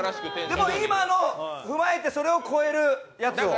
でも今のを踏まえてそれを超えるやつを。